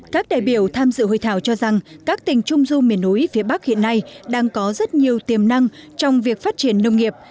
các đại biểu tham dự hội thảo cho rằng các tỉnh trung du miền núi phía bắc hiện nay đang có rất nhiều tiềm năng trong việc phát triển nông nghiệp